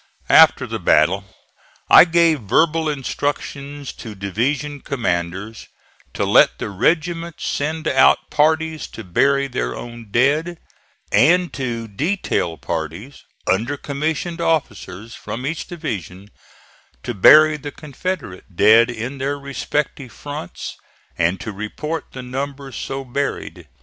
After the battle I gave verbal instructions to division commanders to let the regiments send out parties to bury their own dead, and to detail parties, under commissioned officers from each division, to bury the Confederate dead in their respective fronts and to report the numbers so buried.